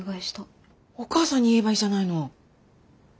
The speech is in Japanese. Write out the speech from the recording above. お母さんに言えばいいじゃないの。